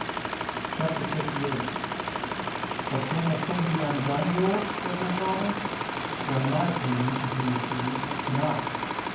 C H A P. LVIII —BUT can the thing be undone, Yorick? said my father—for in my opinion, continued he, it cannot.